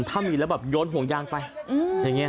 ถ้ามีแล้วแบบโยนห่วงยางไปอย่างนี้